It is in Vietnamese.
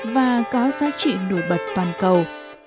và có giá trị nổi bật toàn cầu